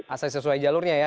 asal sesuai jalurnya ya